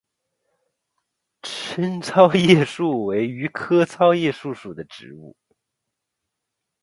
滇糙叶树为榆科糙叶树属的植物。